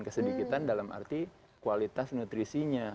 kesedikitan dalam arti kualitas nutrisinya